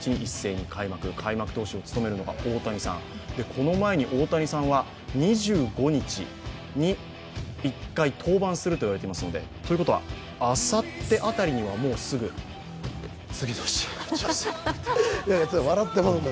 この前に大谷さんは２５日に１回登板すると言われていますのでということは、あさって辺りにはもうすぐ次の試合が準備されていると。